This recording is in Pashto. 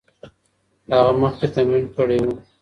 هغه مخکې تمرین کړی و.